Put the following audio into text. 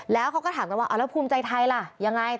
แล้วเขาก็ถามกันว่าเอาแล้วภูมิใจไทยล่ะยังไง